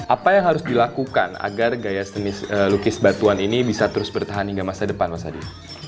apa yang harus dilakukan agar gaya lukis batuan ini bisa terus bertahan hingga masa depan mas adi